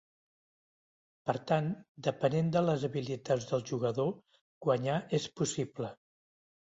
Per tant, depenent de les habilitats del jugador, guanyar és possible.